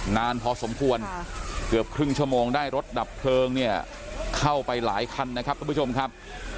นานพอสมควรเกือบครึ่งชั่วโมงได้รถดับเพลิงเนี่ยเข้าไปหลายคันนะครับทุกผู้ชมครับ